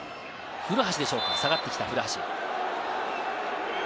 古橋でしょうか、下がってきた。